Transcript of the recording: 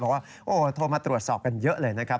โอ้โฮโทรมาตรวจสอบกันเยอะเลยนะครับ